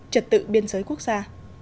trật tự biên giới quốc gia